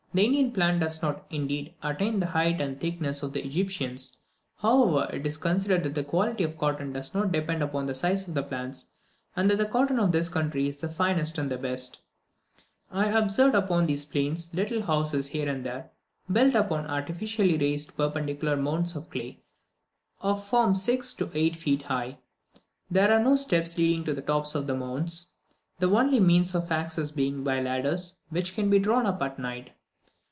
The Indian plant does not, indeed, attain the height and thickness of the Egyptian; however, it is considered that the quality of the cotton does not depend upon the size of the plants, and that the cotton of this country is the finest and the best. I observed upon these plains little houses here and there, built upon artificially raised perpendicular mounds of clay, of from six to eight feet high. There are no steps leading to the tops of these mounds, the only means of access being by ladders, which can be drawn up at night.